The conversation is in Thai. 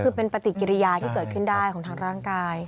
คือเป็นปฏิกิริยาที่เกิดขึ้นได้ของทางร่างกาย